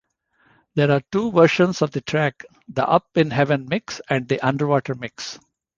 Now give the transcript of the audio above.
There are two versions of the track: the Up-in-Heaven mix and the Underwater mix.